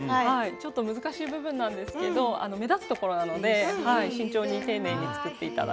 ちょっと難しい部分なんですけど目立つところなので慎重に丁寧に作って頂くといいですね。